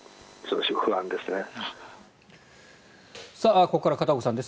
ここから片岡さんです。